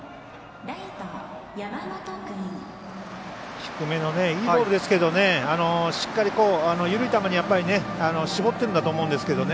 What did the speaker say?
低めのいいボールですけどしっかり、緩い球に絞ってるんだと思うんですけどね